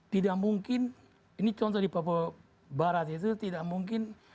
tidak mungkin ini contoh di papua barat itu tidak mungkin